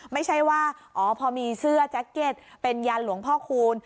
ไม่ใช่ว่าอ๋อพอมีเสื้อแจ็คเก็ตเป็นยันหลวงพ่อคูณ